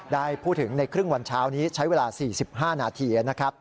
ได้พูดถึงในครึ่งวันเช้านี้ใช้เวลา๔๕นาทีนะครับ